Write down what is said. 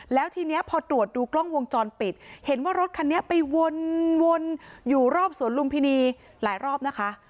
แล้วทีนี้พอตรวจดูกล้องวงจรปิดเห็นว่ารถคันนี้ไปวนอยู่รอบสวนลุมพินีหลายรอบนะคะ